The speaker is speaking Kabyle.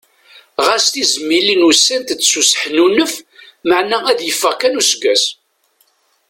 Ɣas tizmilin ussant-d s useḥnunef maɛna ad yeffeɣ kan useggas.